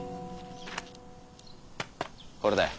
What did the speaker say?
これだよ。